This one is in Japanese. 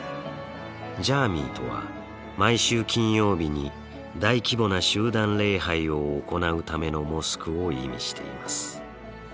ジャーミイとは毎週金曜日に大規模な集団礼拝を行うためのモスクを意味しています。